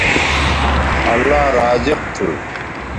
اللہ رازق تھو